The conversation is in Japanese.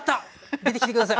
出てきて下さい。